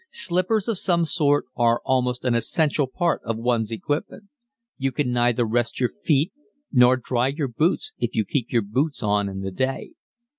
Slippers of some sort are almost an essential part of one's equipment. You can neither rest your feet nor dry your boots if you keep your boots on in the day.